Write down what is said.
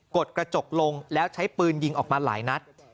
ดกระจกลงแล้วใช้ปืนยิงออกมาหลายนัด